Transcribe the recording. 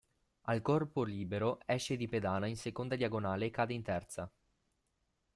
Al corpo libero esce di pedana in seconda diagonale e cade in terza.